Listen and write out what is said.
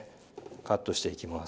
カットしていきます。